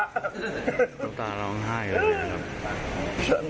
ต้องตาร้องไห้เหรอครับ